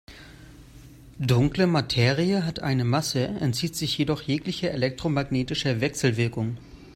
Dunkle Materie hat eine Masse, entzieht sich jedoch jeglicher elektromagnetischer Wechselwirkung.